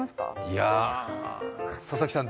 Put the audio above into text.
いや、佐々木さん